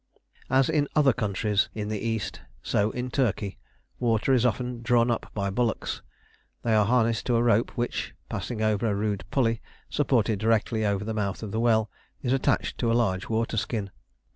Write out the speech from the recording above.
As in other countries in the East, so in Turkey, water is often drawn up by bullocks: they are harnessed to a rope which, passing over a rude pulley supported directly over the mouth of the well, is attached to a large waterskin.